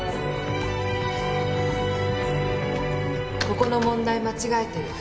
ここの問題間違えてる。